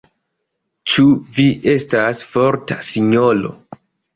Ĉu vi estas forta, sinjoro?